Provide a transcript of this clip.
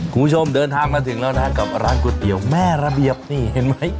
คุณผู้ชมเดินทางมาถึงแล้วนะฮะกับร้านก๋วยเตี๋ยวแม่ระเบียบนี่เห็นไหม